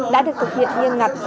đã được thực hiện nghiêm ngặt